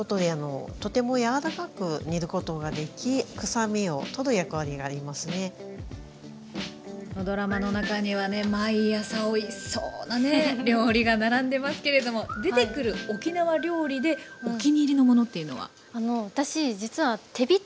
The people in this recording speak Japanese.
泡盛を使うことでドラマの中にはね毎朝おいしそうなね料理が並んでますけれども出てくる沖縄料理でお気に入りのものっていうのは？